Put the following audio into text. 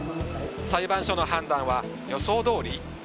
裁判所の判断は予想どおり？